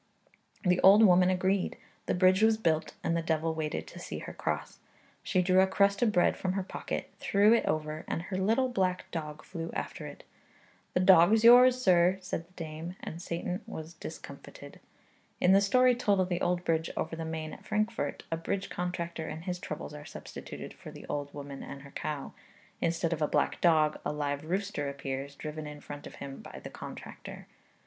The old woman agreed; the bridge was built; and the devil waited to see her cross. She drew a crust of bread from her pocket, threw it over, and her little black dog flew after it. 'The dog's yours, sir,' said the dame; and Satan was discomfited. In the story told of the old bridge over the Main at Frankfort, a bridge contractor and his troubles are substituted for the old woman and her cow; instead of a black dog a live rooster appears, driven in front of him by the contractor.